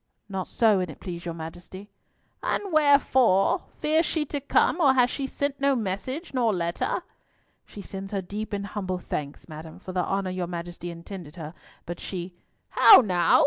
"Not so, an't please your Majesty." "And wherefore? Fears she to come, or has she sent no message nor letter?" "She sends her deep and humble thanks, madam, for the honour your Majesty intended her, but she—" "How now?